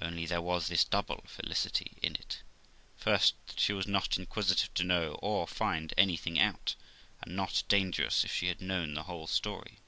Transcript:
Only there was this double felicity in it, first, that she was not inquisitive to know or find anything out, and not dangerous if she had known the whole story.